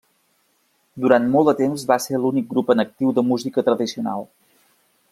Durant molt de temps va ser l'únic grup en actiu de música tradicional.